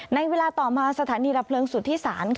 ในเวลาต่อมาสถานีดับเพลิงสุธิศาล